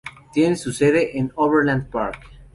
Tiene su sede en Overland Park.